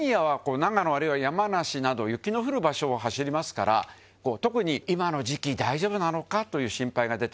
長野あるいは山梨など雪の降る場所を走りますから辰今の時期大丈夫なのか？という看曚个討襪箸いΔ錣